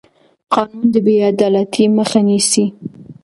قانون د بې عدالتۍ مخه نیسي